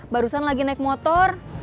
barusan lagi naik motor